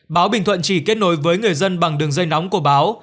báo bình thuận chỉ kết nối với người dân bằng đường dây nóng của báo